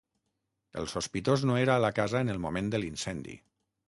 El sospitós no era a la casa en el moment de l'incendi